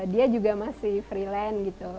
dia juga masih freelan gitu